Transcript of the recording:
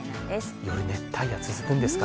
夜、熱帯夜、続くんですか？